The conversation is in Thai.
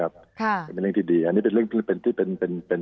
เป็นเรื่องที่ดีอันนี้เป็นเรื่องที่เป็น